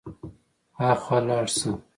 هاخوا لاړ شه.